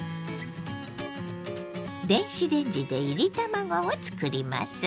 電子レンジでいり卵を作ります。